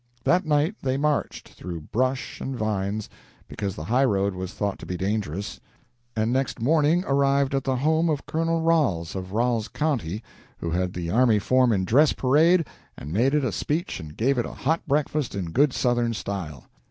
That night they marched, through brush and vines, because the highroad was thought to be dangerous, and next morning arrived at the home of Colonel Ralls, of Ralls County, who had the army form in dress parade and made it a speech and gave it a hot breakfast in good Southern style.